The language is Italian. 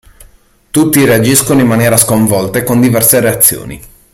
Tutti reagiscono in maniera sconvolta e con diverse reazioni.